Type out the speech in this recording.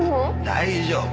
大丈夫。